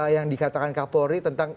yang dikatakan kak polri tentang